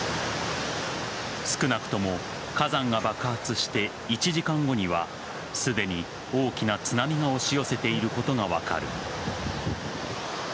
少なくとも火山が爆発して１時間後にはすでに大きな津波が押し寄せていることが分かる。